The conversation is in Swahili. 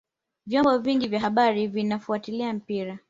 vyombo vingi vya habari vinafuatilia mpira